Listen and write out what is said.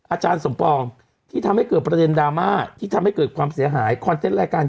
อาจารย์สมปองที่ทำให้เกิดประเด็นดราม่าที่ทำให้เกิดความเสียหายคอนเซนต์รายการ